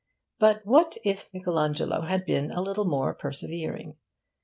But what if Michael Angelo had been a little more persevering?